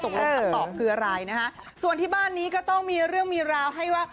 คำตอบคืออะไรนะคะส่วนที่บ้านนี้ก็ต้องมีเรื่องมีราวให้ว่า